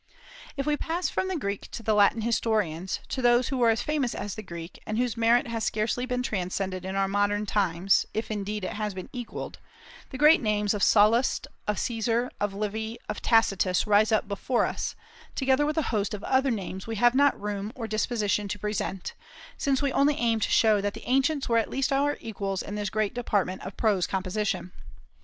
If we pass from the Greek to the Latin historians, to those who were as famous as the Greek, and whose merit has scarcely been transcended in our modern times, if indeed it has been equalled, the great names of Sallust, of Caesar, of Livy, of Tacitus rise up before us, together with a host of other names we have not room or disposition to present, since we only aim to show that the ancients were at least our equals in this great department of prose composition.